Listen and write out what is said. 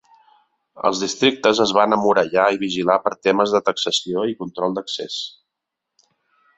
Els districtes es van emmurallar i vigilar per temes de taxació i control d"accés.